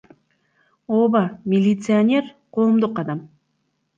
Ооба, милиционер — коомдук адам.